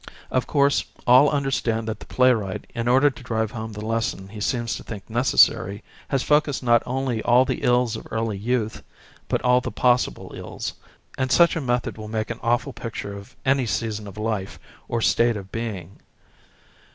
Of course, all understand that the playwright, in order to drive home the lesson he seems to think necessary, has focussed not only all the ills of early youth, but all the possible ills, and such a method will make an awful picture of any season of life or state of being.